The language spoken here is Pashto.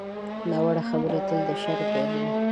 ناوړه خبرې تل د شر پیل وي